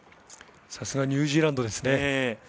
さすがニュージーランド。